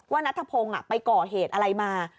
ว่านัทธพงศ์อ่ะไปก่อเหตุอะไรมา